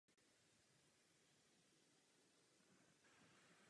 Nicméně vám děkuji, že jste mezi nás zavítali.